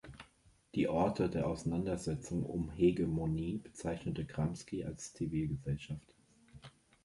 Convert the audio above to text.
Die Orte der Auseinandersetzungen um Hegemonie bezeichnete Gramsci als Zivilgesellschaft.